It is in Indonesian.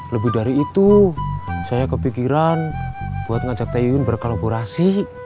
lebih dari itu saya kepikiran buat ngajak tayun berkolaborasi